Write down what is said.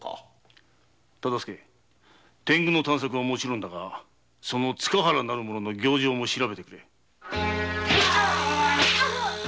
忠相天狗の探索はもちろんだがその塚原の行状も調べてくれ。